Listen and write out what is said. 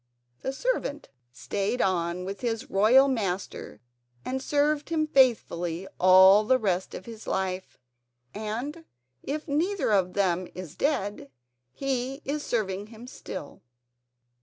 The servant stayed on with his royal master and served him faithfully all the rest of his life; and, if neither of them is dead, he is serving him still.